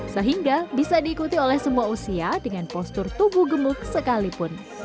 sehingga bisa diikuti oleh semua usia dengan postur tubuh gemuk sekalipun